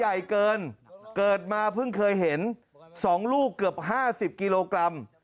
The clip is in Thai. ใหญ่เกินเกิดมาเพิ่งเคยเห็น๒ลูกเกือบ๕๐กิโลกรัม